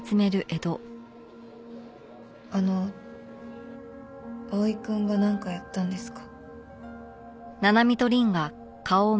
あの蒼くんがなんかやったんですか？